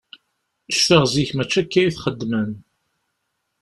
Cfiɣ zik mačči akka i t-xeddmen.